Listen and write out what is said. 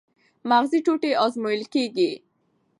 مغزي ټوټې ازمویل کېږي.